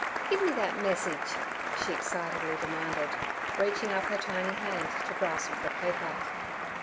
Give me that message' she excitedly demanded, reaching up her tiny hand to grasp the paper.